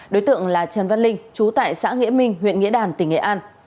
đối tượng là trần văn linh chú tại xã nghĩa minh huyện nghĩa đàn tỉnh nghệ an